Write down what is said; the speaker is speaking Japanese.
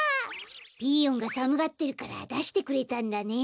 ピーヨンがさむがってるからだしてくれたんだね。